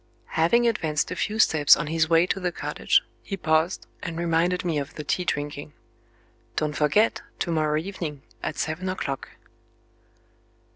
Having advanced a few steps on his way to the cottage, he paused, and reminded me of the tea drinking: "Don't forget to morrow evening, at seven o'clock."